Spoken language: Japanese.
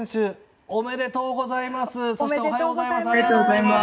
そして、おはようございます！